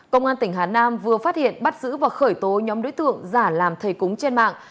công an tỉnh hà nam vừa phát hiện bắt giữ và khởi tố nhóm đối tượng giả làm thầy cúng trên mạng